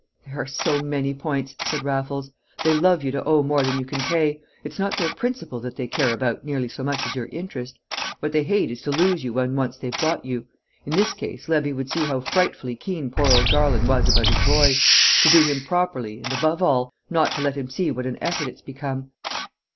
"There are so many points," said Raffles. "They love you to owe more than you can pay; it's not their principal that they care about nearly so much as your interest; what they hate is to lose you when once they've got you. In this case Levy would see how frightfully keen poor old Garland was about his boy to do him properly and, above all, not to let him see what an effort it's become.